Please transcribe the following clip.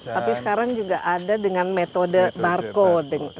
tapi sekarang juga ada dengan metode barcode